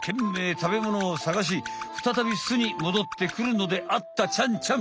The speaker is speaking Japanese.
たべものをさがしふたたび巣にもどってくるのであったちゃんちゃん。